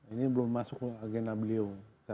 ini belum masuk agenda beliau